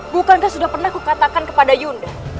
bukankah sudah pernah kukatakan kepada yunda